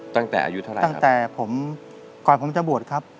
ตั้งแต่อายุเท่าไรครับ